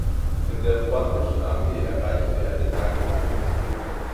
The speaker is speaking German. In der ruandischen Armee erreichte er den Rang des Oberst.